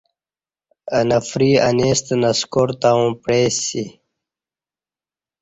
اہ نفری اݩیستہ نسکار تاووں پعیسی